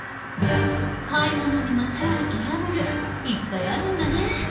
買い物にまつわるトラブルいっぱいあるんだね。